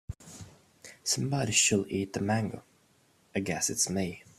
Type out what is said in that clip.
Somebody should eat the mango, I guess it is me.